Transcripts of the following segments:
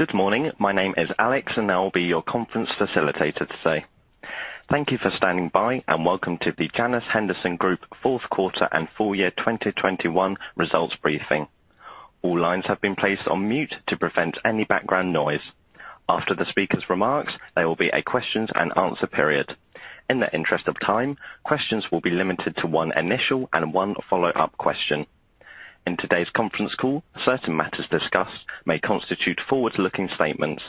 Good morning. My name is Alex, and I will be your conference facilitator today. Thank you for standing by, and welcome to the Janus Henderson Group fourth quarter and full year 2021 results briefing. All lines have been placed on mute to prevent any background noise. After the speaker's remarks, there will be a question and answer period. In the interest of time, questions will be limited to one initial and one follow-up question. In today's conference call, certain matters discussed may constitute forward-looking statements.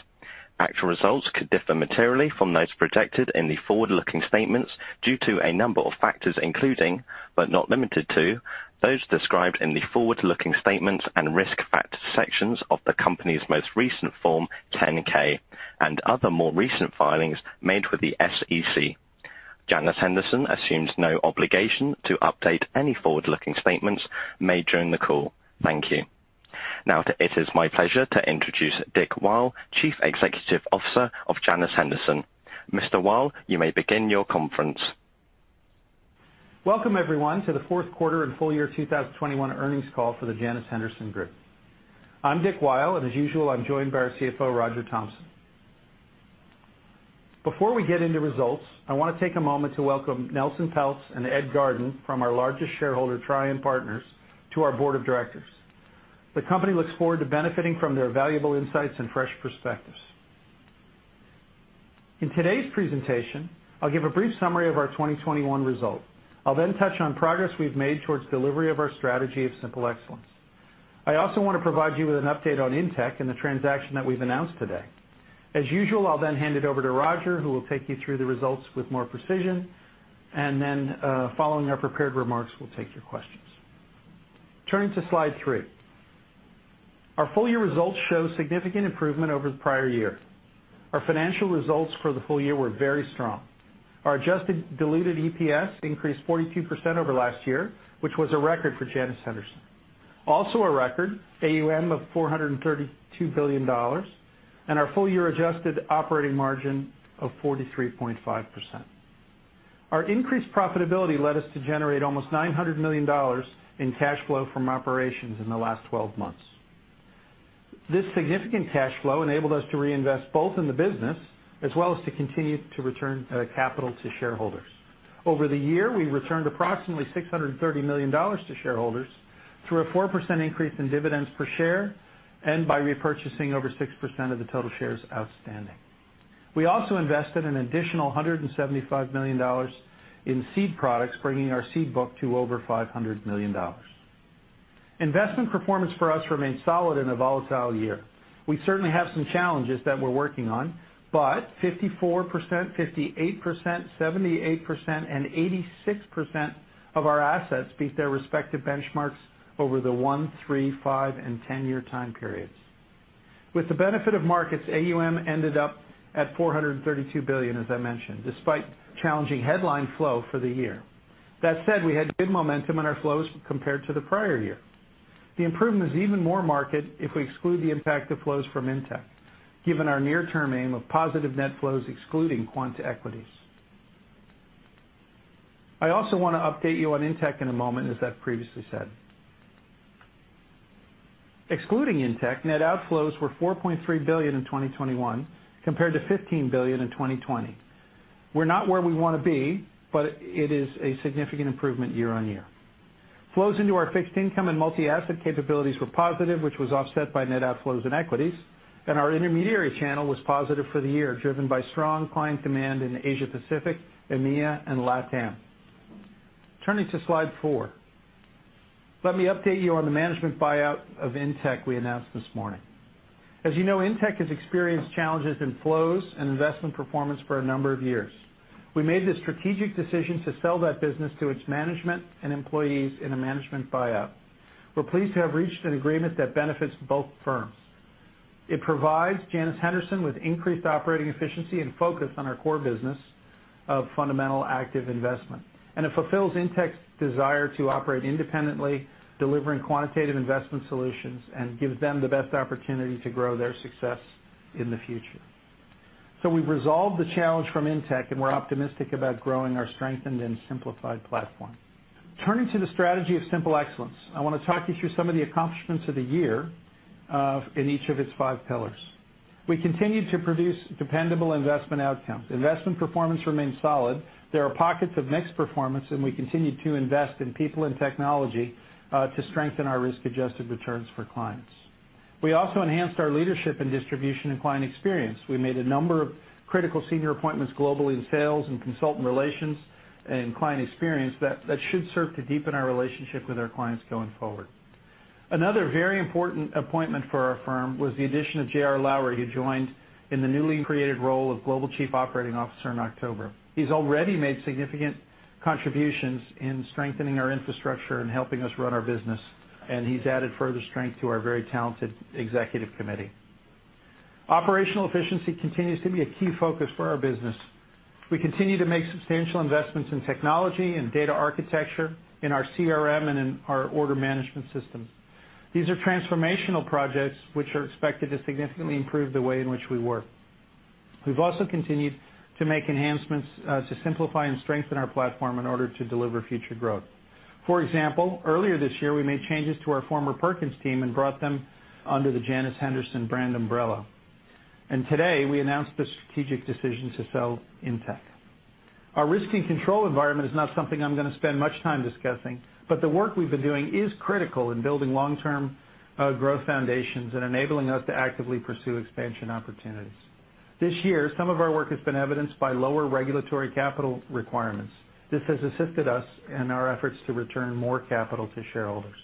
Actual results could differ materially from those projected in the forward-looking statements due to a number of factors, including, but not limited to, those described in the forward-looking statements and risk factor sections of the company's most recent Form 10-K, and other more recent filings made with the SEC. Janus Henderson assumes no obligation to update any forward-looking statements made during the call. Thank you. Now, it is my pleasure to introduce Dick Weil, Chief Executive Officer of Janus Henderson. Mr. Weil, you may begin your conference. Welcome, everyone, to the fourth quarter and full year 2021 earnings call for the Janus Henderson Group. I'm Dick Weil, and as usual, I'm joined by our CFO, Roger Thompson. Before we get into results, I wanna take a moment to welcome Nelson Peltz and Ed Garden from our largest shareholder, Trian Partners, to our board of directors. The company looks forward to benefiting from their valuable insights and fresh perspectives. In today's presentation, I'll give a brief summary of our 2021 results. I'll then touch on progress we've made towards delivery of our strategy of simple excellence. I also wanna provide you with an update on INTECH and the transaction that we've announced today. As usual, I'll then hand it over to Roger, who will take you through the results with more precision, and then, following our prepared remarks, we'll take your questions. Turning to slide three. Our full year results show significant improvement over the prior year. Our financial results for the full year were very strong. Our adjusted diluted EPS increased 42% over last year, which was a record for Janus Henderson. Also a record AUM of $432 billion, and our full year adjusted operating margin of 43.5%. Our increased profitability led us to generate almost $900 million in cash flow from operations in the last twelve months. This significant cash flow enabled us to reinvest both in the business as well as to continue to return capital to shareholders. Over the year, we returned approximately $630 million to shareholders through a 4% increase in dividends per share and by repurchasing over 6% of the total shares outstanding. We also invested an additional $175 million in seed products, bringing our seed book to over $500 million. Investment performance for us remained solid in a volatile year. We certainly have some challenges that we're working on, but 54%, 58%, 78%, and 86% of our assets beat their respective benchmarks over the one-, three-, five-, and 10-year time periods. With the benefit of markets, AUM ended up at $432 billion, as I mentioned, despite challenging headline flow for the year. That said, we had good momentum on our flows compared to the prior year. The improvement is even more marked if we exclude the impact of flows from INTECH, given our near-term aim of positive net flows excluding quant equities. I also wanna update you on INTECH in a moment, as I've previously said. Excluding Intech, net outflows were $4.3 billion in 2021 compared to $15 billion in 2020. We're not where we wanna be, but it is a significant improvement year-over-year. Flows into our fixed income and multi-asset capabilities were positive, which was offset by net outflows in equities, and our intermediary channel was positive for the year, driven by strong client demand in Asia Pacific, EMEA, and LatAm. Turning to slide four. Let me update you on the management buyout of Intech we announced this morning. As you know, Intech has experienced challenges in flows and investment performance for a number of years. We made the strategic decision to sell that business to its management and employees in a management buyout. We're pleased to have reached an agreement that benefits both firms. It provides Janus Henderson with increased operating efficiency and focus on our core business of fundamental active investment, and it fulfills INTECH's desire to operate independently, delivering quantitative investment solutions and gives them the best opportunity to grow their success in the future. We've resolved the challenge from INTECH, and we're optimistic about growing our strengthened and simplified platform. Turning to the strategy of simple excellence, I wanna talk you through some of the accomplishments of the year, in each of its five pillars. We continue to produce dependable investment outcomes. Investment performance remains solid. There are pockets of mixed performance, and we continue to invest in people and technology, to strengthen our risk-adjusted returns for clients. We also enhanced our leadership and distribution and client experience. We made a number of critical senior appointments globally in sales and consultant relations and client experience that should serve to deepen our relationship with our clients going forward. Another very important appointment for our firm was the addition of JR Lowry, who joined in the newly created role of Global Chief Operating Officer in October. He's already made significant contributions in strengthening our infrastructure and helping us run our business, and he's added further strength to our very talented executive committee. Operational efficiency continues to be a key focus for our business. We continue to make substantial investments in technology and data architecture in our CRM and in our order management system. These are transformational projects which are expected to significantly improve the way in which we work. We've also continued to make enhancements to simplify and strengthen our platform in order to deliver future growth. For example, earlier this year, we made changes to our former Perkins team and brought them under the Janus Henderson brand umbrella. Today, we announced the strategic decision to sell INTECH. Our risk and control environment is not something I'm gonna spend much time discussing, but the work we've been doing is critical in building long-term growth foundations and enabling us to actively pursue expansion opportunities. This year, some of our work has been evidenced by lower regulatory capital requirements. This has assisted us in our efforts to return more capital to shareholders.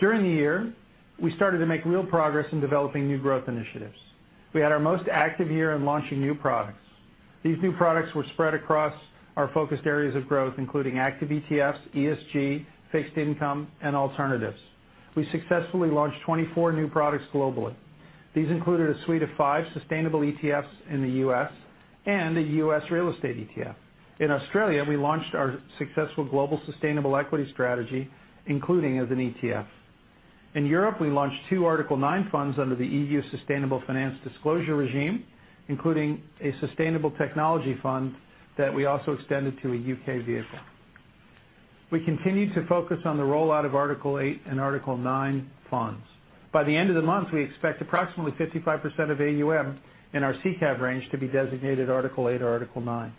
During the year, we started to make real progress in developing new growth initiatives. We had our most active year in launching new products. These new products were spread across our focused areas of growth, including active ETFs, ESG, fixed income, and alternatives. We successfully launched 24 new products globally. These included a suite of five sustainable ETFs in the U.S. and a U.S. real estate ETF. In Australia, we launched our successful Global Sustainable Equity strategy, including as an ETF. In Europe, we launched two Article 9 funds under the EU Sustainable Finance Disclosure Regulation, including a sustainable technology fund that we also extended to a U.K. vehicle. We continued to focus on the rollout of Article 8 and Article 9 funds. By the end of the month, we expect approximately 55% of AUM in our SICAV range to be designated Article 8 or Article 9.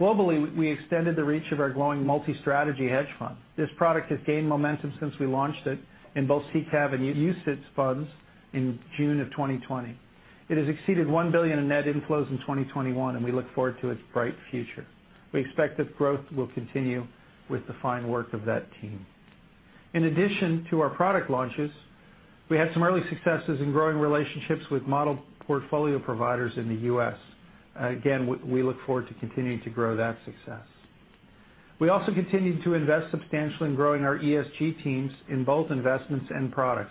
Globally, we extended the reach of our growing Multi-Strategy hedge fund. This product has gained momentum since we launched it in both SICAV and UCITS funds in June 2020. It has exceeded $1 billion in net inflows in 2021, and we look forward to its bright future. We expect that growth will continue with the fine work of that team. In addition to our product launches, we had some early successes in growing relationships with model portfolio providers in the U.S. Again, we look forward to continuing to grow that success. We also continued to invest substantially in growing our ESG teams in both investments and products.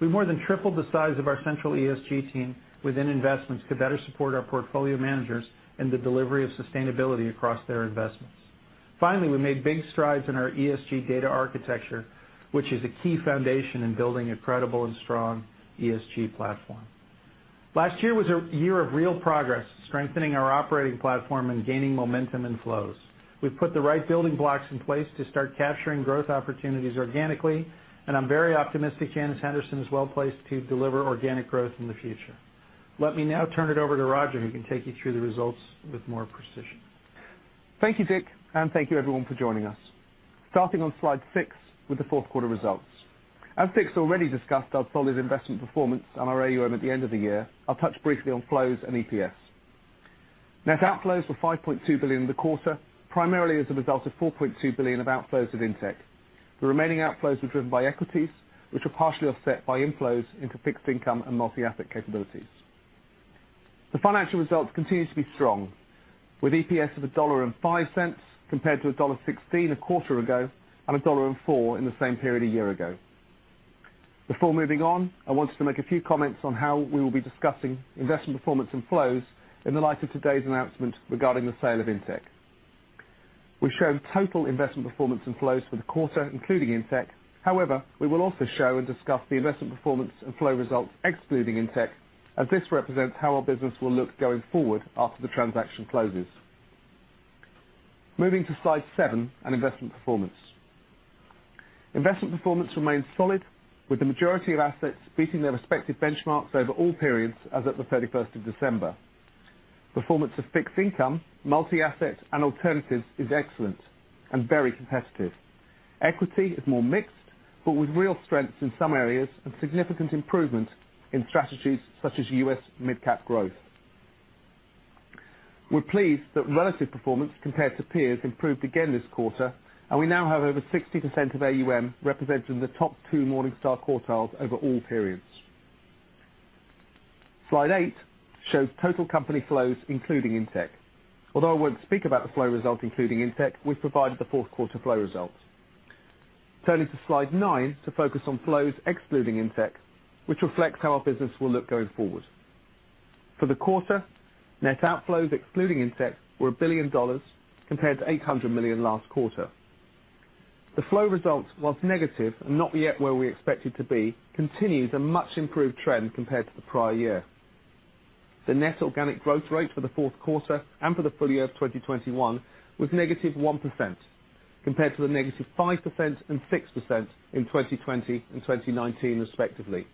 We more than tripled the size of our central ESG team within investments to better support our portfolio managers in the delivery of sustainability across their investments. Finally, we made big strides in our ESG data architecture, which is a key foundation in building a credible and strong ESG platform. Last year was a year of real progress, strengthening our operating platform and gaining momentum and flows. We've put the right building blocks in place to start capturing growth opportunities organically, and I'm very optimistic Janus Henderson is well-placed to deliver organic growth in the future. Let me now turn it over to Roger, who can take you through the results with more precision. Thank you, Dick, and thank you everyone for joining us. Starting on slide six with the fourth quarter results. As Dick has already discussed our solid investment performance on our AUM at the end of the year, I'll touch briefly on flows and EPS. Net outflows were $5.2 billion in the quarter, primarily as a result of $4.2 billion of outflows of INTECH. The remaining outflows were driven by equities, which were partially offset by inflows into fixed income and multi-asset capabilities. The financial results continue to be strong, with EPS of $1.05 compared to $1.16 a quarter ago and $1.04 in the same period a year ago. Before moving on, I wanted to make a few comments on how we will be discussing investment performance and flows in the light of today's announcement regarding the sale of INTECH. We've shown total investment performance and flows for the quarter, including INTECH. However, we will also show and discuss the investment performance and flow results excluding INTECH, as this represents how our business will look going forward after the transaction closes. Moving to slide seven on investment performance. Investment performance remains solid, with the majority of assets beating their respective benchmarks over all periods as at the 31st of December. Performance of fixed income, multi-asset, and alternatives is excellent and very competitive. Equity is more mixed, but with real strengths in some areas and significant improvement in strategies such as U.S. Mid-Cap Growth. We're pleased that relative performance compared to peers improved again this quarter, and we now have over 60% of AUM represented in the top two Morningstar quartiles over all periods. Slide eight shows total company flows, including INTECH. Although I won't speak about the flow result, including INTECH, we've provided the fourth quarter flow results. Turning to slide nine to focus on flows excluding INTECH, which reflects how our business will look going forward. For the quarter, net outflows excluding INTECH were $1 billion, compared to $800 million last quarter. The flow result, while negative and not yet where we expect it to be, continues a much-improved trend compared to the prior year. The net organic growth rate for the fourth quarter and for the full year of 2021 was -1%, compared to the -5% and 6% in 2020 and 2019 respectively.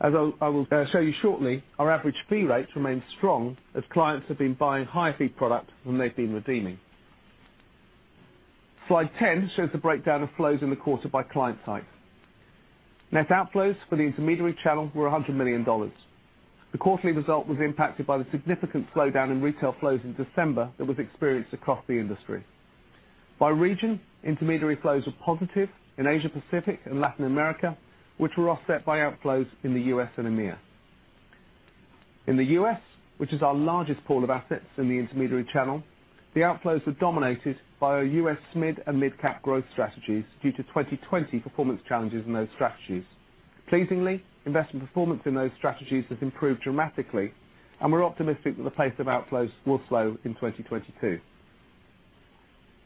As I will show you shortly, our average fee rates remain strong as clients have been buying higher fee product than they've been redeeming. Slide 10 shows the breakdown of flows in the quarter by client type. Net outflows for the intermediary channel were $100 million. The quarterly result was impacted by the significant slowdown in retail flows in December that was experienced across the industry. By region, intermediary flows were positive in Asia-Pacific and Latin America, which were offset by outflows in the U.S. and EMEA. In the U.S., which is our largest pool of assets in the intermediary channel, the outflows were dominated by our U.S. SMID and mid-cap growth strategies due to 2020 performance challenges in those strategies. Pleasingly, investment performance in those strategies has improved dramatically, and we're optimistic that the pace of outflows will slow in 2022.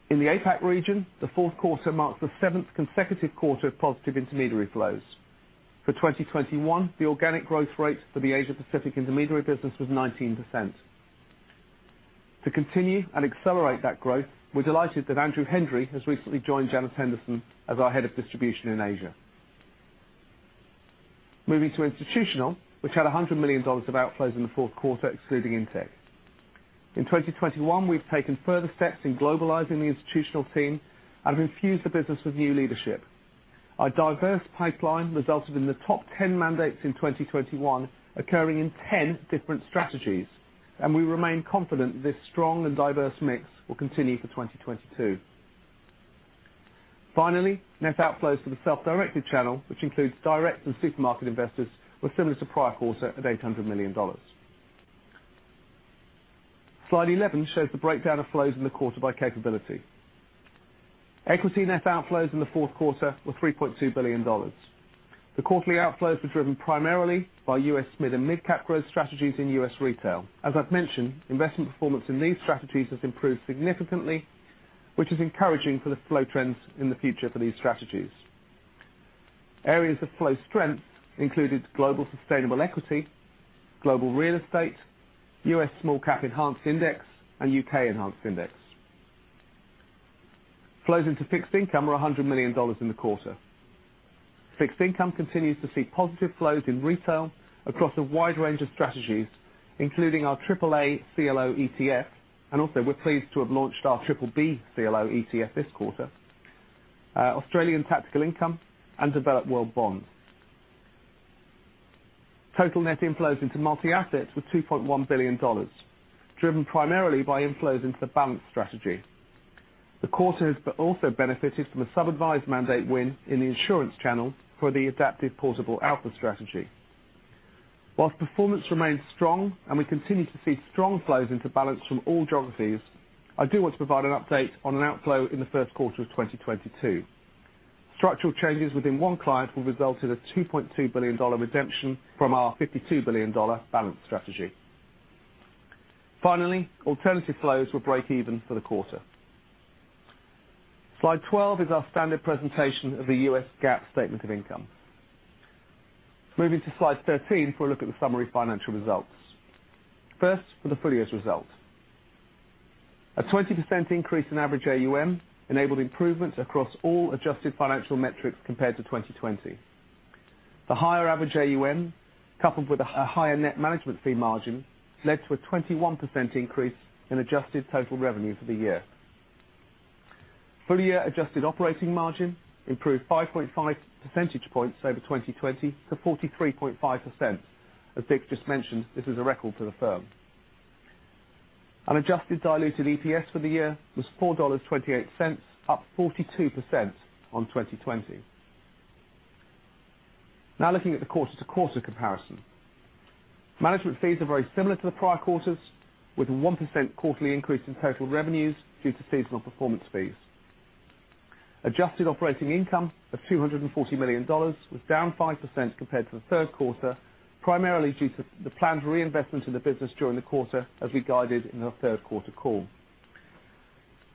In the APAC region, the fourth quarter marks the seventh consecutive quarter of positive intermediary flows. For 2021, the organic growth rate for the Asia Pacific intermediary business was 19%. To continue and accelerate that growth, we're delighted that Andrew Hendry has recently joined Janus Henderson as our head of distribution in Asia. Moving to institutional, which had $100 million of outflows in the fourth quarter, excluding Intech. In 2021, we've taken further steps in globalizing the institutional team and infused the business with new leadership. Our diverse pipeline resulted in the top 10 mandates in 2021 occurring in 10 different strategies, and we remain confident that this strong and diverse mix will continue for 2022. Net outflows for the self-directed channel, which includes direct and supermarket investors, were similar to prior quarter at $800 million. Slide 11 shows the breakdown of flows in the quarter by capability. Equity net outflows in the fourth quarter were $3.2 billion. The quarterly outflows were driven primarily by U.S. mid-cap growth strategies in U.S. retail. As I've mentioned, investment performance in these strategies has improved significantly, which is encouraging for the flow trends in the future for these strategies. Areas of flow strength included Global Sustainable Equity, Global Real Estate, U.S. Small Cap Enhanced Index, and UK Enhanced Index. Flows into fixed income are $100 million in the quarter. Fixed income continues to see positive flows in retail across a wide range of strategies, including our AAA CLO ETF. We're pleased to have launched our BBB CLO ETF this quarter. Total net inflows into multi-assets were $2.1 billion, driven primarily by inflows into the Balanced strategy. The quarter has also benefited from a sub-advised mandate win in the insurance channel for the adaptive portable alpha strategy. While performance remains strong and we continue to see strong flows into Balanced from all geographies, I do want to provide an update on an outflow in the first quarter of 2022. Structural changes within one client will result in a $2.3 billion redemption from our $52 billion Balanced strategy. Finally, alternative flows will break even for the quarter. Slide 12 is our standard presentation of the U.S. GAAP statement of income. Moving to slide 13 for a look at the summary financial results. First, for the full year's results. A 20% increase in average AUM enabled improvements across all adjusted financial metrics compared to 2020. The higher average AUM, coupled with a higher net management fee margin, led to a 21% increase in adjusted total revenue for the year. Full year adjusted operating margin improved 5.5 percentage points over 2020 to 43.5%. As Dick just mentioned, this is a record for the firm. An adjusted diluted EPS for the year was $4.28, up 42% on 2020. Now looking at the quarter-to-quarter comparison. Management fees are very similar to the prior quarters, with a 1% quarterly increase in total revenues due to seasonal performance fees. Adjusted operating income of $240 million was down 5% compared to the third quarter, primarily due to the planned reinvestment in the business during the quarter, as we guided in the third quarter call.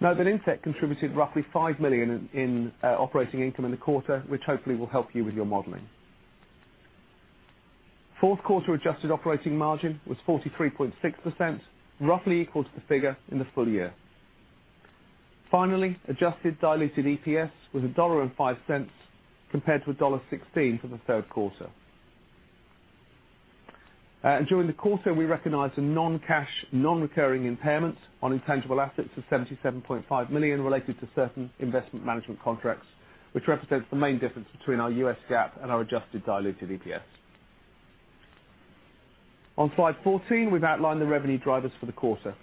Note that Intech contributed roughly $5 million operating income in the quarter, which hopefully will help you with your modeling. Fourth quarter adjusted operating margin was 43.6%, roughly equal to the figure in the full year. Finally, adjusted diluted EPS was $1.05, compared to $1.16 for the third quarter. During the quarter, we recognized a non-cash, non-recurring impairment on intangible assets of $77.5 million related to certain investment management contracts, which represents the main difference between our U.S. GAAP and our adjusted diluted EPS. On slide 14, we've outlined the revenue drivers for the quarter.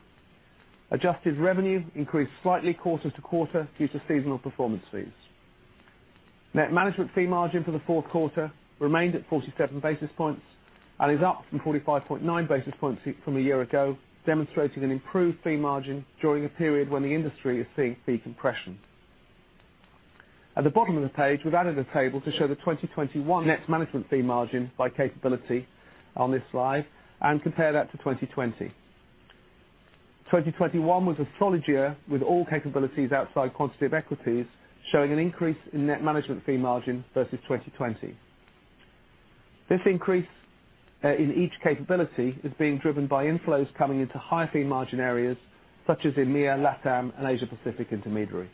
Adjusted revenue increased slightly quarter-over-quarter due to seasonal performance fees. Net management fee margin for the fourth quarter remained at 47 basis points and is up from 45.9 basis points from a year ago, demonstrating an improved fee margin during a period when the industry is seeing fee compression. At the bottom of the page, we've added a table to show the 2021 net management fee margin by capability on this slide and compare that to 2020. 2021 was a strong year with all capabilities outside quantitative equities, showing an increase in net management fee margin versus 2020. This increase in each capability is being driven by inflows coming into higher fee margin areas such as EMEA, LATAM, and Asia Pacific intermediary.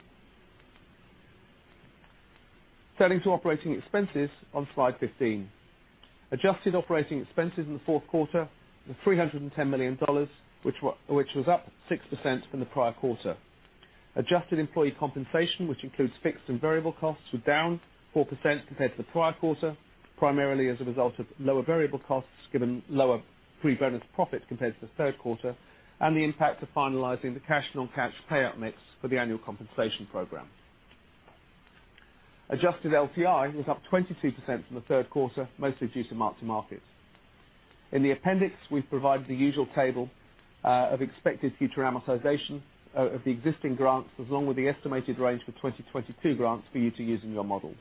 Turning to operating expenses on slide 15. Adjusted operating expenses in the fourth quarter were $310 million, which was up 6% from the prior quarter. Adjusted employee compensation, which includes fixed and variable costs, were down 4% compared to the prior quarter. Primarily as a result of lower variable costs, given lower pre-bonus profits compared to the third quarter, and the impact of finalizing the cash and non-cash payout mix for the annual compensation program. Adjusted LTI was up 22% from the third quarter, mostly due to mark-to-markets. In the appendix, we've provided the usual table of expected future amortization of the existing grants, along with the estimated range for 2022 grants for you to use in your models.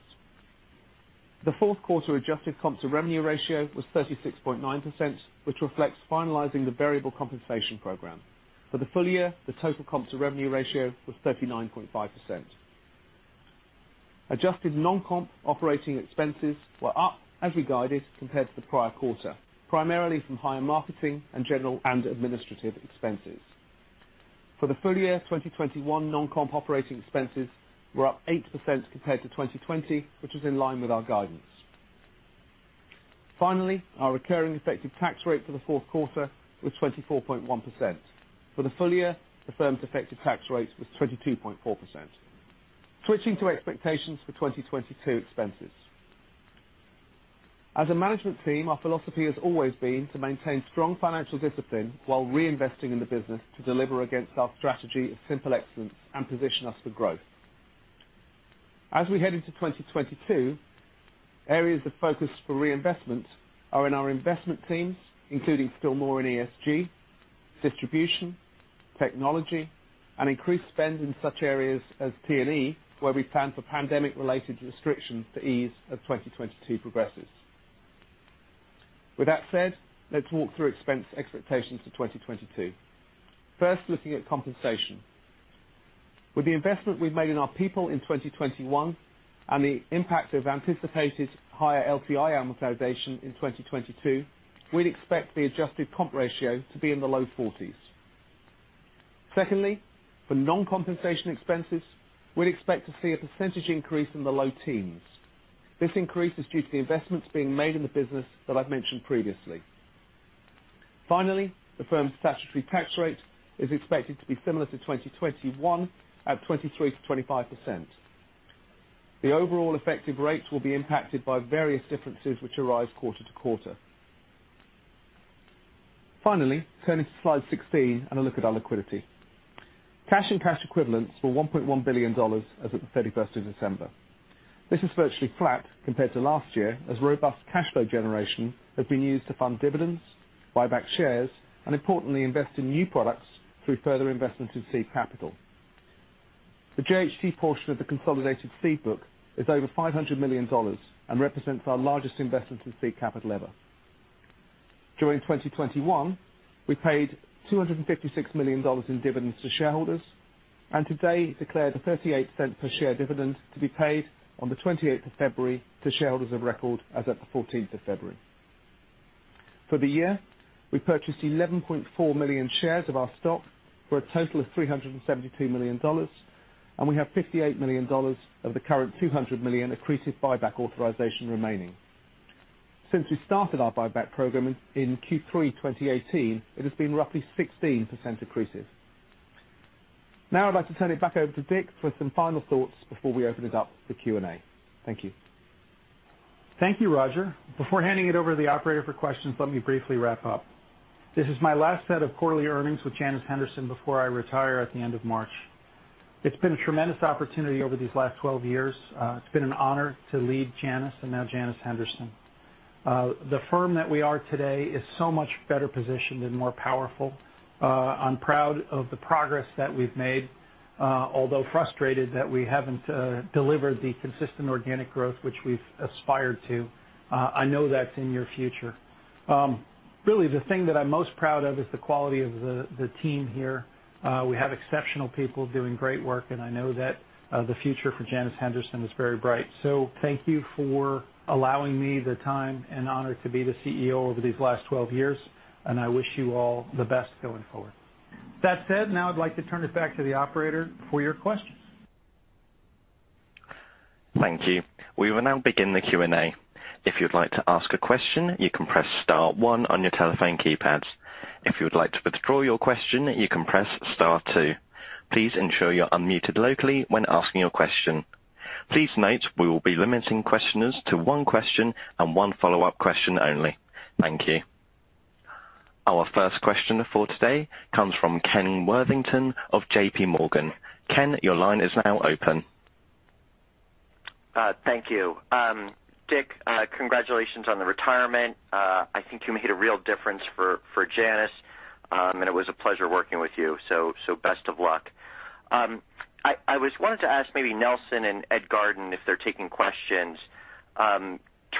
The fourth quarter adjusted comp to revenue ratio was 36.9%, which reflects finalizing the variable compensation program. For the full year, the total comp to revenue ratio was 39.5%. Adjusted non-comp operating expenses were up as we guided compared to the prior quarter, primarily from higher marketing and general and administrative expenses. For the full year of 2021, non-comp operating expenses were up 8% compared to 2020, which is in line with our guidance. Finally, our recurring effective tax rate for the fourth quarter was 24.1%. For the full year, the firm's effective tax rate was 22.4%. Switching to expectations for 2022 expenses. As a management team, our philosophy has always been to maintain strong financial discipline while reinvesting in the business to deliver against our strategy of simple excellence and position us for growth. As we head into 2022, areas of focus for reinvestment are in our investment teams, including still more in ESG, distribution, technology, and increased spend in such areas as T&E, where we plan for pandemic-related restrictions to ease as 2022 progresses. With that said, let's walk through expense expectations for 2022. First, looking at compensation. With the investment we've made in our people in 2021 and the impact of anticipated higher LTI amortization in 2022, we'd expect the adjusted comp ratio to be in the low 40s. Secondly, for non-compensation expenses, we'd expect to see a low teens% increase. This increase is due to the investments being made in the business that I've mentioned previously. Finally, the firm's statutory tax rate is expected to be similar to 2021 at 23%-25%. The overall effective rate will be impacted by various differences which arise quarter to quarter. Finally, turning to slide 16 and a look at our liquidity. Cash and cash equivalents were $1.1 billion as of 31st of December. This is virtually flat compared to last year as robust cash flow generation has been used to fund dividends, buy back shares, and importantly, invest in new products through further investments in seed capital. The JHG portion of the consolidated seed book is over $500 million and represents our largest investment in seed capital ever. During 2021, we paid $256 million in dividends to shareholders, and today declared a 38-cent per share dividend to be paid on the twenty-eighth of February to shareholders of record as at the fourteenth of February. For the year, we purchased 11.4 million shares of our stock for a total of $372 million, and we have $58 million of the current $200 million accretive buyback authorization remaining. Since we started our buyback program in Q3 2018, it has been roughly 16% accretive. Now, I'd like to turn it back over to Dick for some final thoughts before we open it up for Q&A. Thank you. Thank you, Roger. Before handing it over to the operator for questions, let me briefly wrap up. This is my last set of quarterly earnings with Janus Henderson before I retire at the end of March. It's been a tremendous opportunity over these last 12 years. It's been an honor to lead Janus and now Janus Henderson. The firm that we are today is so much better positioned and more powerful. I'm proud of the progress that we've made, although frustrated that we haven't delivered the consistent organic growth which we've aspired to. I know that's in your future. Really the thing that I'm most proud of is the quality of the team here. We have exceptional people doing great work, and I know that the future for Janus Henderson is very bright. Thank you for allowing me the time and honor to be the CEO over these last 12 years, and I wish you all the best going forward. That said, now I'd like to turn it back to the operator for your questions. Thank you. We will now begin the Q&A. If you'd like to ask a question, you can press star one on your telephone keypads. If you would like to withdraw your question, you can press star two. Please ensure you're unmuted locally when asking your question. Please note we will be limiting questioners to one question and one follow-up question only. Thank you. Our first question for today comes from Ken Worthington of JPMorgan. Ken, your line is now open. Thank you. Dick, congratulations on the retirement. I think you made a real difference for Janus, and it was a pleasure working with you. Best of luck. I wanted to ask maybe Nelson and Ed Garden if they're taking questions. Trian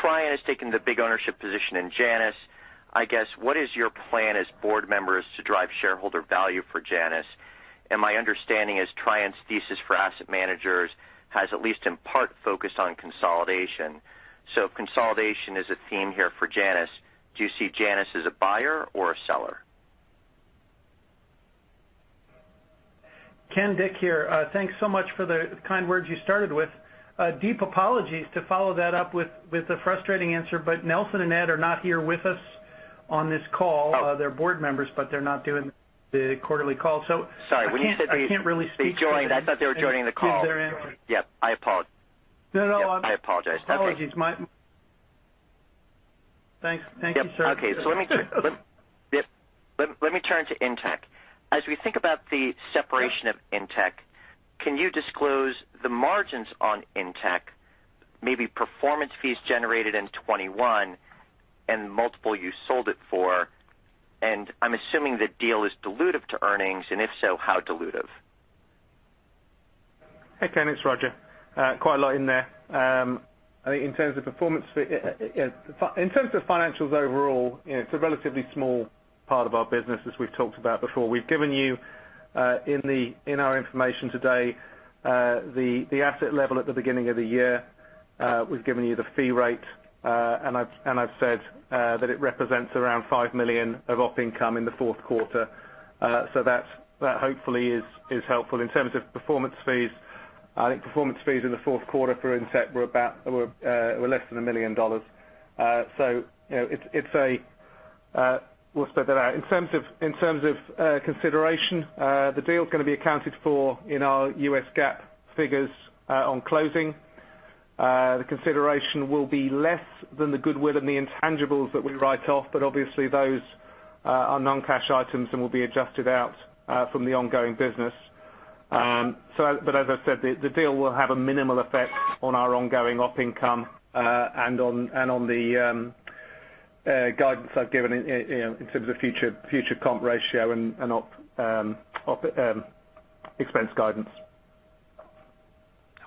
has taken the big ownership position in Janus. I guess, what is your plan as board members to drive shareholder value for Janus? My understanding is Trian's thesis for asset managers has, at least in part, focused on consolidation. Consolidation is a theme here for Janus. Do you see Janus as a buyer or a seller? Ken, Dick here. Thanks so much for the kind words you started with. Deep apologies to follow that up with a frustrating answer, but Nelson and Ed are not here with us on this call. Oh. They're board members, but they're not doing the quarterly call. Sorry. When you said they- I can't really speak for them. They joined. I thought they were joining the call. Give their answer. Yeah. I apologize. No, no. I apologize. That's okay. Apologies. Thanks. Thank you, sir. Okay. Let me turn to Intech. As we think about the separation of Intech, can you disclose the margins on Intech, maybe performance fees generated in 2021 and multiple you sold it for? I'm assuming the deal is dilutive to earnings, and if so, how dilutive? Hey, Ken, it's Roger. Quite a lot in there. I think in terms of performance fees, yeah, in terms of financials overall, you know, it's a relatively small part of our business as we've talked about before. We've given you in our information today the asset level at the beginning of the year, we've given you the fee rate, and I've said that it represents around $5 million of op income in the fourth quarter. So that hopefully is helpful. In terms of performance fees, I think performance fees in the fourth quarter for INTECH were about less than $1 million. So, you know, it's a. We'll spread that out. In terms of consideration, the deal is gonna be accounted for in our U.S. GAAP figures on closing. The consideration will be less than the goodwill and the intangibles that we write off, but obviously, those are non-cash items and will be adjusted out from the ongoing business. As I said, the deal will have a minimal effect on our ongoing op income and on the guidance I've given, you know, in terms of future comp ratio and op expense guidance.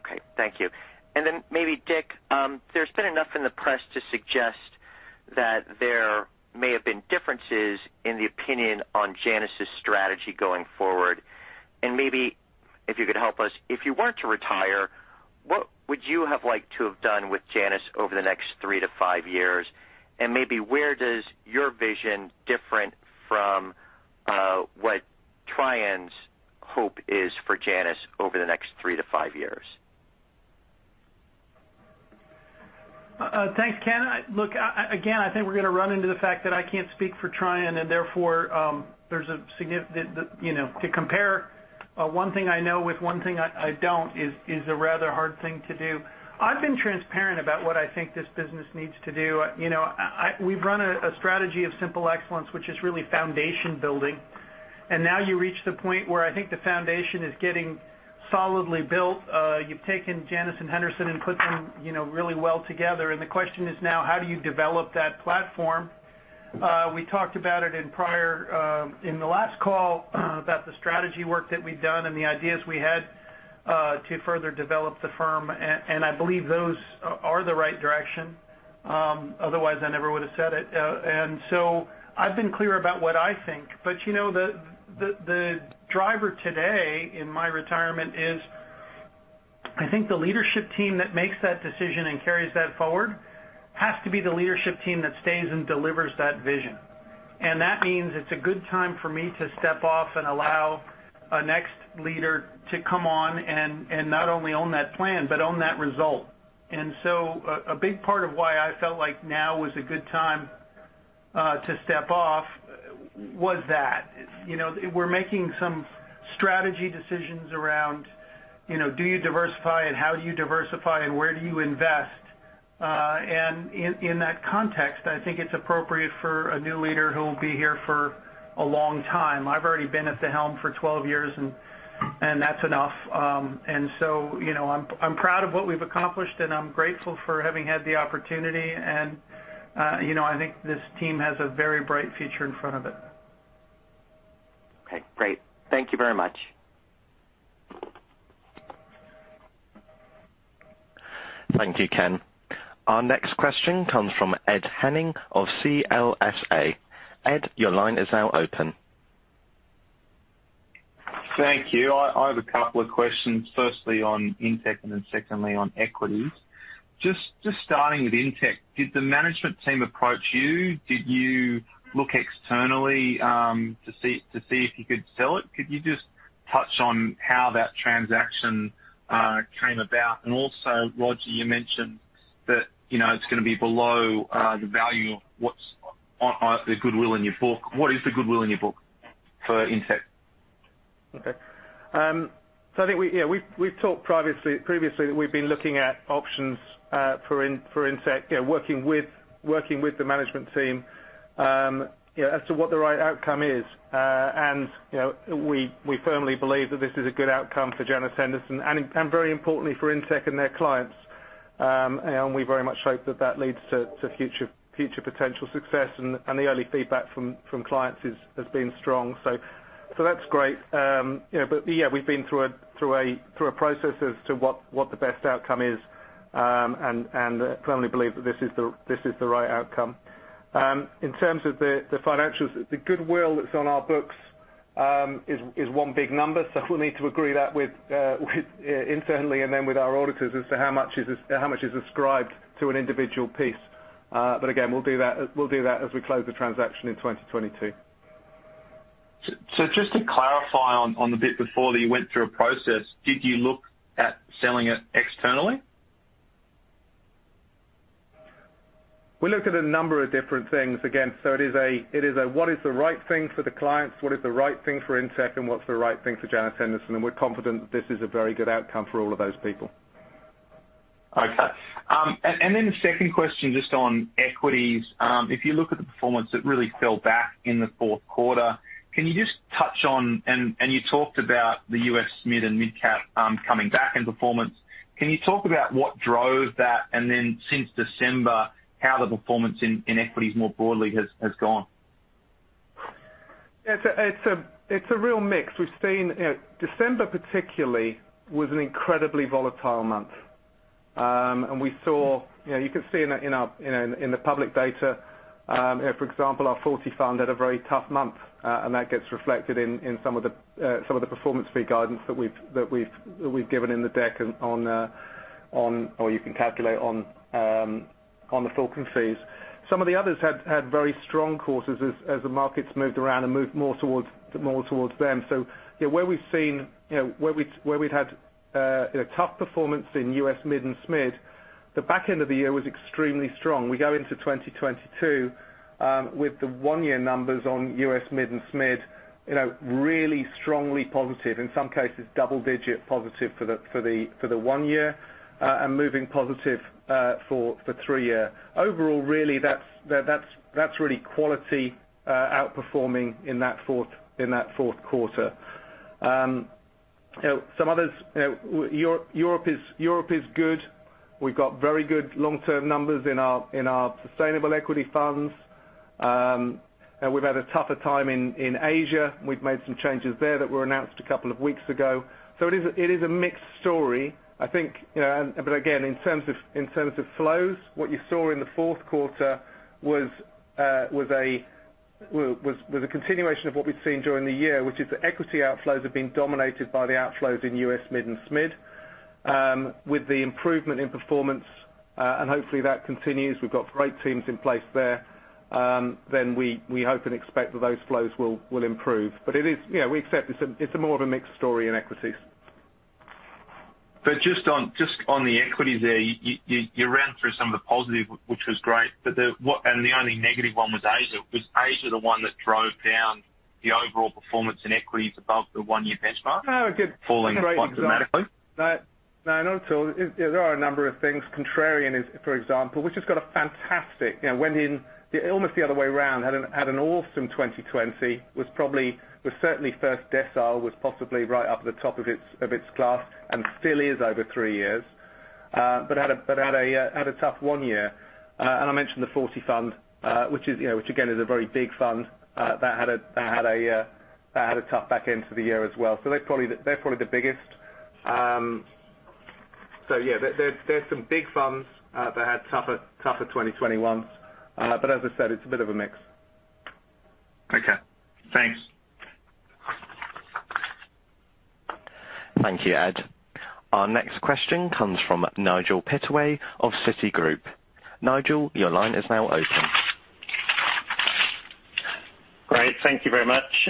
Okay. Thank you. Maybe Dick, there's been enough in the press to suggest that there may have been differences in the opinion on Janus' strategy going forward. Maybe if you could help us, if you weren't to retire, what would you have liked to have done with Janus over the next three to five years? Maybe where does your vision different from, what Trian's hope is for Janus over the next three to five years? Thanks, Ken. Look, again, I think we're gonna run into the fact that I can't speak for Trian, and therefore, to compare one thing I know with one thing I don't is a rather hard thing to do. I've been transparent about what I think this business needs to do. You know, we've run a strategy of simple excellence, which is really foundation building. Now you reach the point where I think the foundation is getting solidly built. You've taken Janus and Henderson and put them, you know, really well together. The question is now, how do you develop that platform? We talked about it in the last call about the strategy work that we've done and the ideas we had to further develop the firm. I believe those are the right direction. Otherwise, I never would have said it. I've been clear about what I think. You know, the driver today in my retirement is, I think the leadership team that makes that decision and carries that forward has to be the leadership team that stays and delivers that vision. That means it's a good time for me to step off and allow a next leader to come on and not only own that plan but own that result. A big part of why I felt like now was a good time to step off was that. You know, we're making some strategy decisions around, you know, do you diversify and how do you diversify and where do you invest? In that context, I think it's appropriate for a new leader who will be here for a long time. I've already been at the helm for 12 years, and that's enough. You know, I'm proud of what we've accomplished, and I'm grateful for having had the opportunity. You know, I think this team has a very bright future in front of it. Okay, great. Thank you very much. Thank you, Ken. Our next question comes from Ed Henning of CLSA. Ed, your line is now open. Thank you. I have a couple of questions, firstly on INTECH and then secondly on equities. Just starting with INTECH, did the management team approach you? Did you look externally to see if you could sell it? Could you just touch on how that transaction came about? And also, Roger, you mentioned that, you know, it's gonna be below the value of what's on the goodwill in your book. What is the goodwill in your book for INTECH? Okay. I think, yeah, we've talked previously that we've been looking at options for INTECH, you know, working with the management team, you know, as to what the right outcome is. You know, we firmly believe that this is a good outcome for Janus Henderson and very importantly for INTECH and their clients. We very much hope that that leads to future potential success. The early feedback from clients has been strong. That's great. You know, yeah, we've been through a process as to what the best outcome is, and firmly believe that this is the right outcome. In terms of the financials, the goodwill that's on our books is one big number. We'll need to agree that with internally and then with our auditors as to how much is ascribed to an individual piece. Again, we'll do that as we close the transaction in 2022. Just to clarify on the bit before that you went through a process, did you look at selling it externally? We looked at a number of different things. Again, what is the right thing for the clients, what is the right thing for Intech, and what's the right thing for Janus Henderson. We're confident that this is a very good outcome for all of those people. Okay. The second question, just on equities. If you look at the performance, it really fell back in the fourth quarter. Can you just touch on. You talked about the U.S. mid- and mid-cap coming back in performance. Can you talk about what drove that? Since December, how the performance in equities more broadly has gone? It's a real mix. We've seen, you know, December particularly was an incredibly volatile month. And we saw, you know, you could see in the public data, you know, for example, our Forty Fund had a very tough month. And that gets reflected in some of the performance fee guidance that we've given in the deck and on. Or you can calculate on the Fulcrum fees. Some of the others had very strong quarters as the markets moved around and moved more towards them. So, you know, where we've seen, you know, where we'd had a tough performance in U.S. mid and SMID, the back end of the year was extremely strong. We go into 2020 with the one-year numbers on U.S. mid and SMID, you know, really strongly positive, in some cases, double-digit positive for the one year, and moving positive for the three-year. Overall, really that's really quality outperforming in that fourth quarter. You know, some others, you know, Europe is good. We've got very good long-term numbers in our sustainable equity funds. We've had a tougher time in Asia. We've made some changes there that were announced a couple of weeks ago. It is a mixed story. I think, you know, but again, in terms of flows, what you saw in the fourth quarter was a continuation of what we'd seen during the year, which is the equity outflows have been dominated by the outflows in U.S. mid and SMID. With the improvement in performance, and hopefully that continues, we've got great teams in place there, then we hope and expect that those flows will improve. It is. You know, we accept it's more of a mixed story in equities. Just on the equities there, you ran through some of the positive, which was great. The only negative one was Asia. Was Asia the one that drove down the overall performance in equities above the one-year benchmark? No, a good- Falling quite dramatically? No. No, not at all. There are a number of things. Contrarian is, for example, went in almost the other way around, had an awesome 2020, was certainly first decile, was possibly right up the top of its class and still is over three years, but had a tough one year. I mentioned the Forty Fund, which again is a very big fund, that had a tough back end to the year as well. They're probably the biggest. Yeah, there's some big funds that had tougher 2021s. As I said, it's a bit of a mix. Okay. Thanks. Thank you, Ed. Our next question comes from Nigel Pittaway of Citigroup. Nigel, your line is now open. Great. Thank you very much.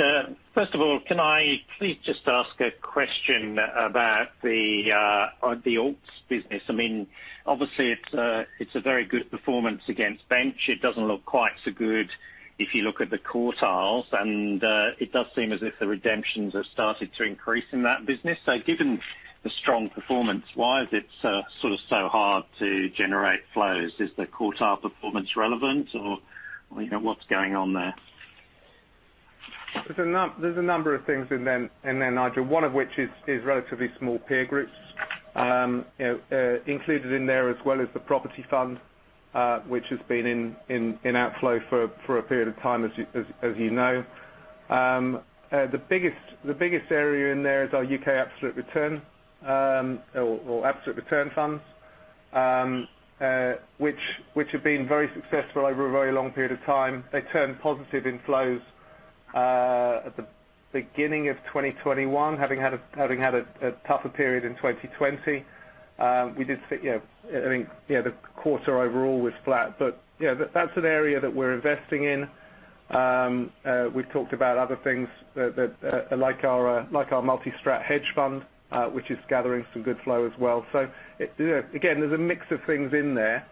First of all, can I please just ask a question about the alts business? I mean, obviously, it's a very good performance against bench. It doesn't look quite so good if you look at the quartiles, and it does seem as if the redemptions have started to increase in that business. Given the strong performance, why is it so, sort of so hard to generate flows? Is the quartile performance relevant or, you know, what's going on there? There's a number of things in there, Nigel. One of which is relatively small peer groups. You know, included in there as well as the property fund, which has been in outflow for a period of time, as you know. The biggest area in there is our U.K. absolute return, or absolute return funds, which have been very successful over a very long period of time. They turned positive inflows at the beginning of 2021, having had a tougher period in 2020. We did see, you know, I think, you know, the quarter overall was flat. You know, that's an area that we're investing in. We've talked about other things like our multi-strat hedge fund, which is gathering some good flow as well. You know, again, there's a mix of things in there.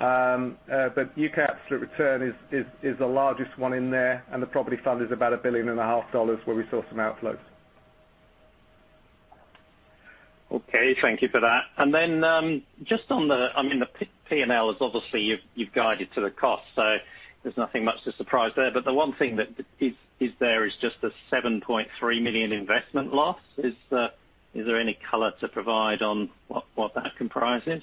U.K. absolute return is the largest one in there, and the property fund is about $1.5 billion where we saw some outflows. Okay. Thank you for that. Then, just on the, I mean, the P&L is obviously you've guided to the cost, so there's nothing much to surprise there. But the one thing that is there is just a $7.3 million investment loss. Is there any color to provide on what that comprises?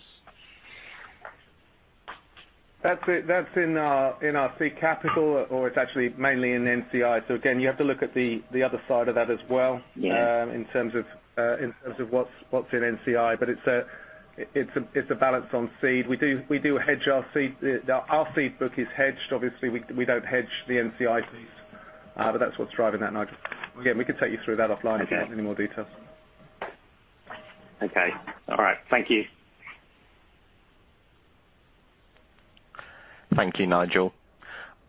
That's in our core capital, or it's actually mainly in NCI. Again, you have to look at the other side of that as well. Yeah In terms of what's in NCI. It's a balance on seed. We do hedge our seed. Our seed book is hedged. Obviously, we don't hedge the NCI piece. That's what's driving that, Nigel. Again, we can take you through that offline. Okay If you want any more details. Okay. All right. Thank you. Thank you, Nigel.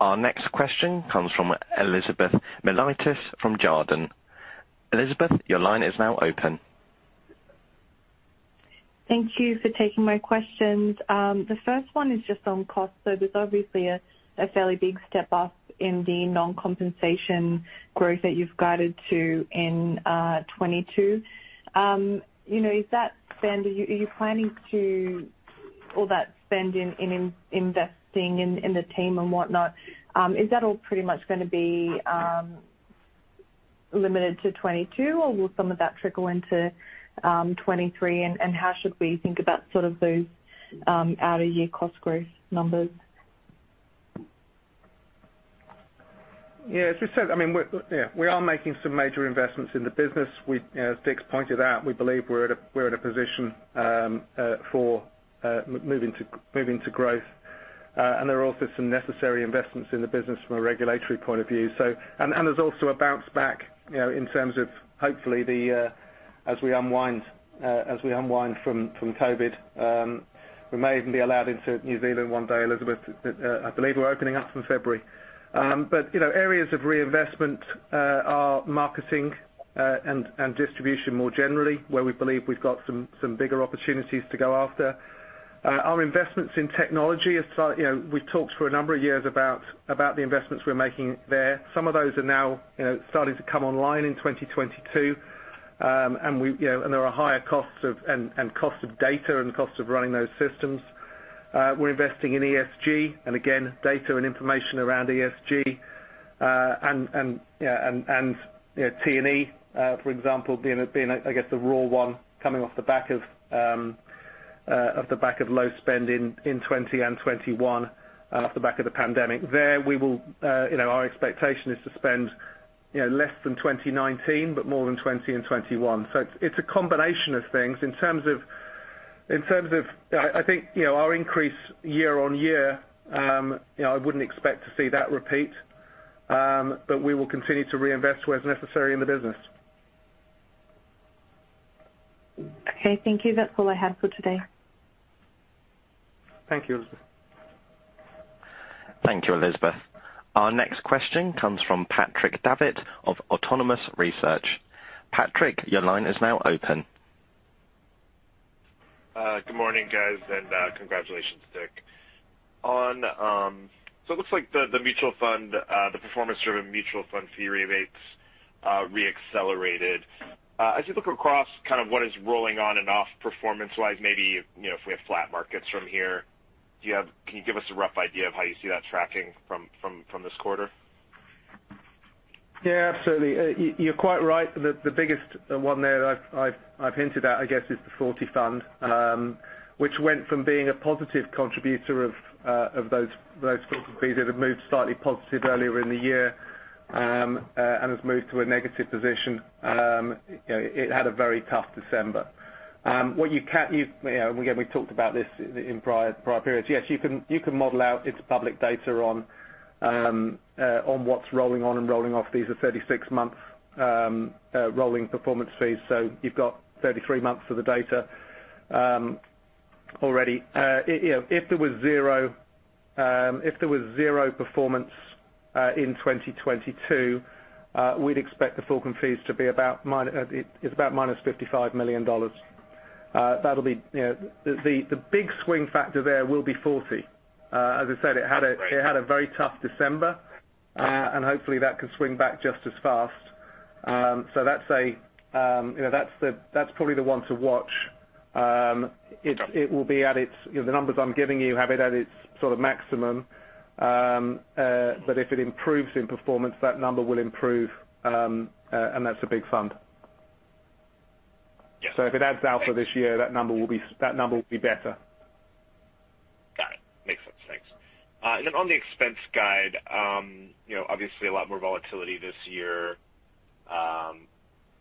Our next question comes from Elizabeth Miliatis from Jarden. Elizabeth, your line is now open. Thank you for taking my questions. The first one is just on cost. There's obviously a fairly big step up in the non-compensation growth that you've guided to in 2022. You know, all that spend in investing in the team and whatnot, is that all pretty much gonna be limited to 2022 or will some of that trickle into 2023? How should we think about sort of those outer year cost growth numbers? As we said, I mean, we are making some major investments in the business. We, you know, as Dick pointed out, we believe we're at a position for moving to growth. There are also some necessary investments in the business from a regulatory point of view. There's also a bounce back, you know, in terms of hopefully as we unwind from COVID, we may even be allowed into New Zealand one day, Elizabeth. I believe we're opening up from February. You know, areas of reinvestment are marketing and distribution more generally, where we believe we've got some bigger opportunities to go after. Our investments in technology as well, you know, we've talked for a number of years about the investments we're making there. Some of those are now, you know, starting to come online in 2022. We, you know, and there are higher costs and cost of data and cost of running those systems. We're investing in ESG and again, data and information around ESG, and yeah, and you know, T&E, for example, being a raw one coming off the back of low spend in 2020 and 2021, off the back of the pandemic. There we will, you know, our expectation is to spend, you know, less than 2019, but more than 2020 and 2021. It's a combination of things. In terms of, I think, you know, our increase year-over-year, you know, I wouldn't expect to see that repeat. We will continue to reinvest where it's necessary in the business. Okay, thank you. That's all I had for today. Thank you, Elizabeth. Thank you, Elizabeth. Our next question comes from Patrick Davitt of Autonomous Research. Patrick, your line is now open. Good morning, guys, and congratulations, Dick. It looks like the performance driven mutual fund fee rebates re-accelerated. As you look across kind of what is rolling on and off performance-wise, maybe, you know, if we have flat markets from here, can you give us a rough idea of how you see that tracking from this quarter? Yeah, absolutely. You're quite right. The biggest one there I've hinted at, I guess, is the Forty Fund, which went from being a positive contributor of those fees that have moved slightly positive earlier in the year and has moved to a negative position. You know, it had a very tough December. What you can. You've, you know, again, we've talked about this in prior periods. Yes, you can model out its public data on what's rolling on and rolling off. These are 36-month rolling performance fees. So you've got 33 months of the data already. You know, if there was zero performance in 2022, we'd expect the fulcrum fees to be about minus $55 million. That'll be, you know, the big swing factor there will be Forty. As I said, it had a- Right. It had a very tough December, and hopefully that can swing back just as fast. You know, that's probably the one to watch. It will be at its sort of maximum. You know, the numbers I'm giving you have it at its sort of maximum. If it improves in performance, that number will improve. That's a big fund. Yeah. If it adds alpha this year, that number will be better. Got it. Makes sense. Thanks. On the expense guide, you know, obviously a lot more volatility this year.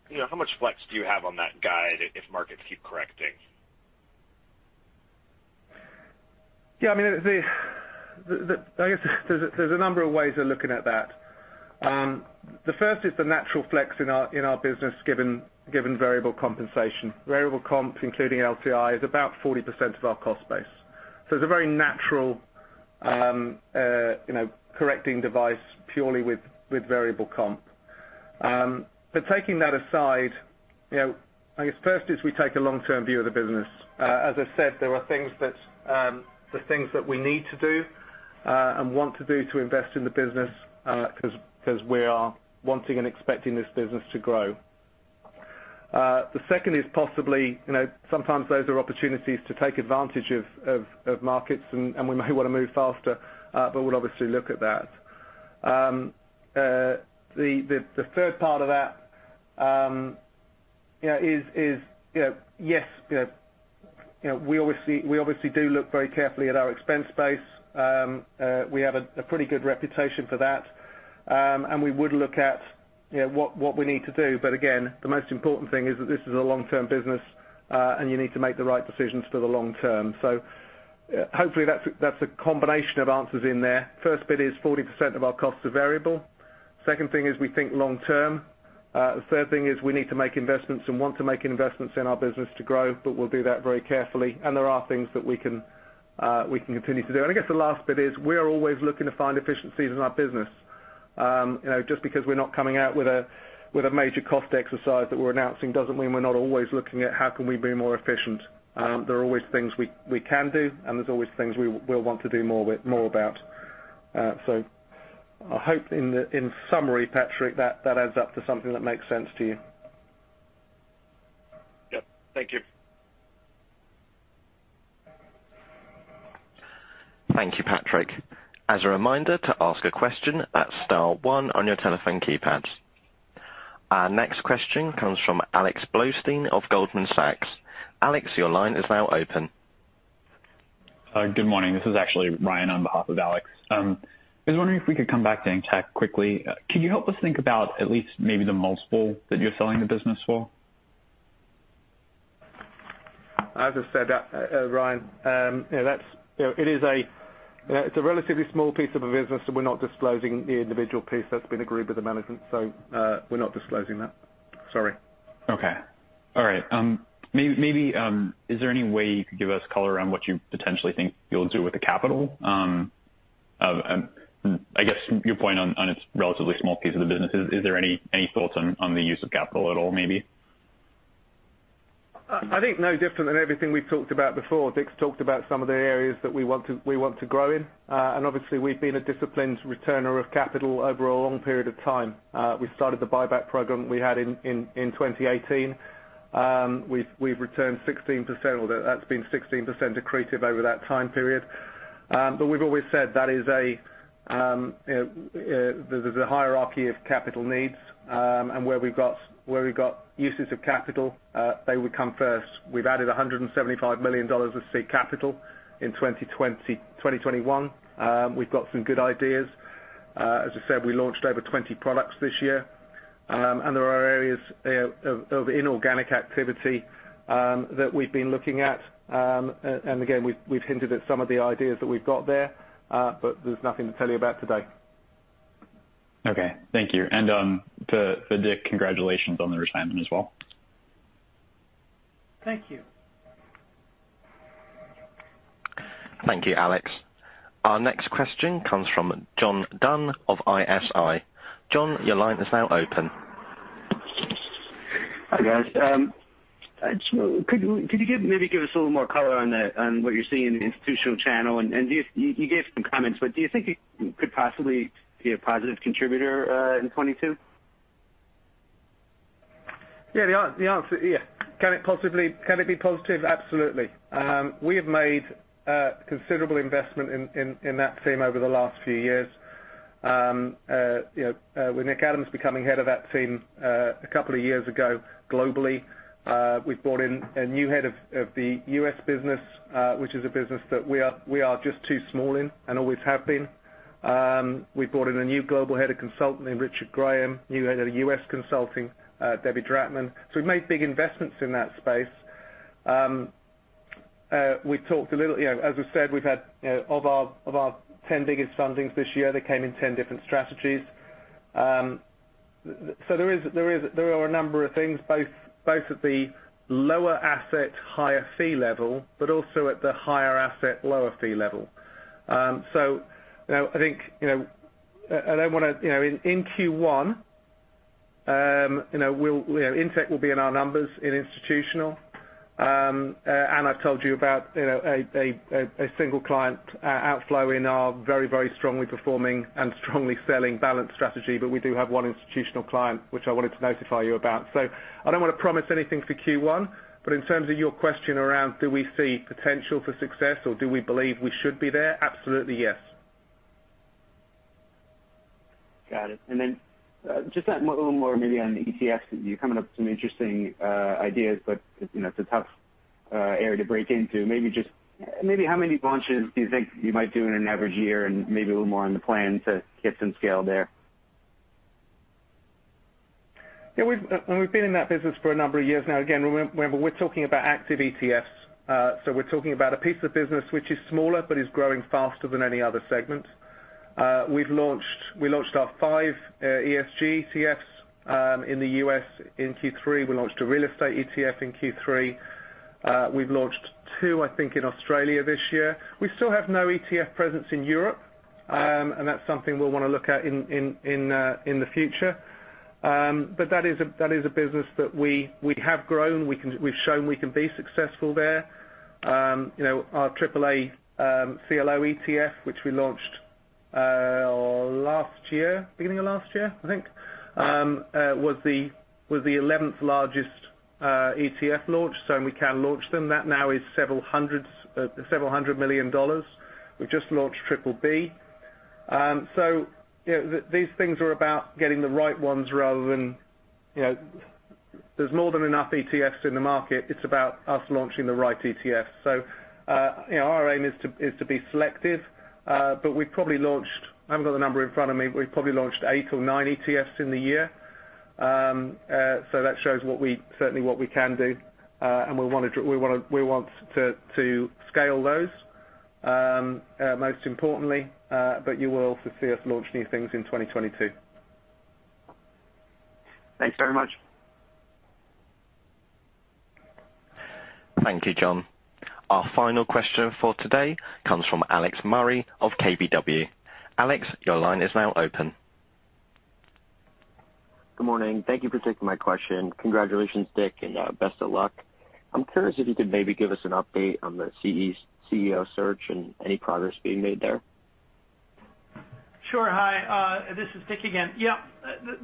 You know, how much flex do you have on that guide if markets keep correcting? Yeah, I mean, I guess there's a number of ways of looking at that. The first is the natural flex in our business, given variable compensation. Variable comp, including LTI, is about 40% of our cost base. It's a very natural, you know, correcting device purely with variable comp. Taking that aside, you know, I guess first is we take a long-term view of the business. As I said, there are things that we need to do and want to do to invest in the business, 'cause we are wanting and expecting this business to grow. The second is possibly, you know, sometimes those are opportunities to take advantage of markets and we may wanna move faster, but we'll obviously look at that. The third part of that, you know, is yes, you know, we obviously do look very carefully at our expense base. We have a pretty good reputation for that. We would look at, you know, what we need to do. Again, the most important thing is that this is a long-term business and you need to make the right decisions for the long term. Hopefully that's a combination of answers in there. First bit is 40% of our costs are variable. Second thing is we think long term. The third thing is we need to make investments and want to make investments in our business to grow, but we'll do that very carefully. There are things that we can continue to do. I guess the last bit is, we are always looking to find efficiencies in our business. You know, just because we're not coming out with a major cost exercise that we're announcing doesn't mean we're not always looking at how can we be more efficient. There are always things we can do, and there's always things we'll want to do more about. I hope in summary, Patrick, that that adds up to something that makes sense to you. Yep. Thank you. Thank you, Patrick. As a reminder, to ask a question, that's star one on your telephone keypads. Our next question comes from Alex Blostein of Goldman Sachs. Alex, your line is now open. Good morning. This is actually Ryan on behalf of Alex. I was wondering if we could come back to INTECH quickly. Could you help us think about at least maybe the multiple that you're selling the business for? As I said, Ryan, you know, that's, you know, it's a relatively small piece of a business that we're not disclosing the individual piece that's been agreed with the management. We're not disclosing that. Sorry. Okay. All right. Maybe is there any way you could give us color on what you potentially think you'll do with the capital? I guess your point on it's a relatively small piece of the business. Is there any thoughts on the use of capital at all, maybe? I think no different than everything we've talked about before. Dick's talked about some of the areas that we want to grow in. Obviously we've been a disciplined returner of capital over a long period of time. We started the buyback program we had in 2018. We've returned 16%, although that's been 16% accretive over that time period. We've always said that is a you know there's a hierarchy of capital needs, and where we've got uses of capital they would come first. We've added $175 million of seed capital in 2020, 2021. We've got some good ideas. As I said, we launched over 20 products this year. There are areas of inorganic activity that we've been looking at. Again, we've hinted at some of the ideas that we've got there, but there's nothing to tell you about today. Okay. Thank you. To Dick, congratulations on the retirement as well. Thank you. Thank you, Alex. Our next question comes from John Dunn of ISI. John, your line is now open. Hi, guys. Could you maybe give us a little more color on what you're seeing in the institutional channel? You gave some comments, but do you think it could possibly be a positive contributor in 2022? Yeah. The answer, yeah. Can it possibly be positive? Absolutely. We have made considerable investment in that team over the last few years. You know, with Nick Adams becoming head of that team a couple of years ago, globally, we've brought in a new head of the U.S. business, which is a business that we are just too small in and always have been. We brought in a new global head of consulting in Richard Graham, new head of U.S. consulting, Debbie Drachman. So we've made big investments in that space. We talked a little. You know, as I said, we've had you know of our 10 biggest fundings this year, they came in 10 different strategies. There are a number of things, both at the lower asset, higher fee level, but also at the higher asset, lower fee level. You know, I think, you know, I don't wanna. You know, in Q1, you know, we'll, you know, INTECH will be in our numbers in institutional. I've told you about, you know, a single client outflow in our very strongly performing and strongly selling Balanced strategy. We do have one institutional client, which I wanted to notify you about. I don't wanna promise anything for Q1, but in terms of your question around, do we see potential for success or do we believe we should be there? Absolutely, yes. Got it. Just a little more maybe on the ETFs. You're coming up with some interesting ideas, but you know, it's a tough area to break into. Maybe how many launches do you think you might do in an average year and maybe a little more on the plan to get some scale there? Yeah. We've been in that business for a number of years now. Again, remember we're talking about active ETFs. So we're talking about a piece of business which is smaller, but is growing faster than any other segment. We've launched our five ESG ETFs in the U.S. in Q3. We launched a real estate ETF in Q3. We've launched two, I think, in Australia this year. We still have no ETF presence in Europe. That's something we'll wanna look at in the future. But that is a business that we have grown. We've shown we can be successful there. You know, our AAA CLO ETF, which we launched last year, beginning of last year, I think, was the 11th largest ETF launch, so we can launch them. That now is $several hundred million. We've just launched BBB. You know, these things are about getting the right ones rather than, you know, there's more than enough ETFs in the market. It's about us launching the right ETF. You know, our aim is to be selective, but we've probably launched. I haven't got the number in front of me. We've probably launched eight or 9 ETFs in the year. That shows what we certainly can do. We want to scale those most importantly, but you will also see us launch new things in 2022. Thanks very much. Thank you, John. Our final question for today comes from Alex Murray of KBW. Alex, your line is now open. Good morning. Thank you for taking my question. Congratulations, Dick, and best of luck. I'm curious if you could maybe give us an update on the CEO search and any progress being made there. Sure. Hi, this is Dick again. Yeah.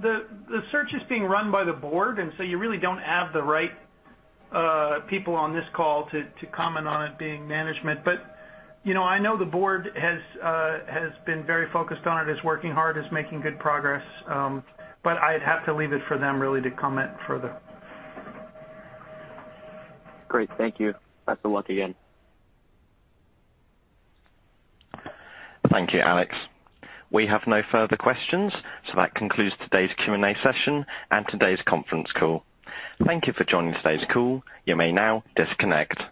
The search is being run by the board, and so you really don't have the right people on this call to comment on it being management. You know, I know the board has been very focused on it, is working hard, is making good progress. I'd have to leave it for them really to comment further. Great. Thank you. Best of luck again. Thank you, Alex. We have no further questions, so that concludes today's Q&A session and today's conference call. Thank you for joining today's call. You may now disconnect.